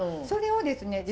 それをですね